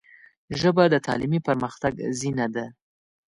ژبه د تعلیمي پرمختګ زینه ده